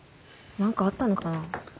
何かあったのかな？